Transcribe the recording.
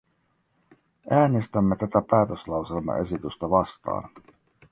Äänestämme tätä päätöslauselmaesitystä vastaan.